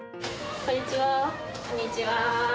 こんにちは。